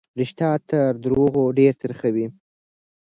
رښتيا تر دروغو ډېر تريخ وي.